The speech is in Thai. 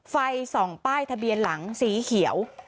ไฟส่องป้ายทะเบียนหลังสีเขียว